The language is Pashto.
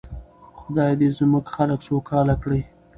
خدای دې زموږ خلک سوکاله کړي.